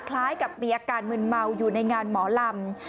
คล้ายกับมีอาการมึนเมาอยู่ในงานหมอลำ